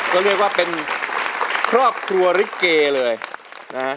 ก็เรียกว่าเป็นครอบครัวลิเกเลยนะฮะ